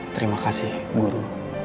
terima kasih guru